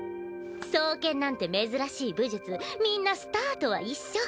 双剣なんて珍しい武術みんなスタートは一緒。